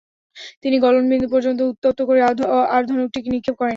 তিনি গলনবিন্দু পর্যন্ত উত্তপ্ত করে আড়ধনুকটিকে নিক্ষেপ করেন।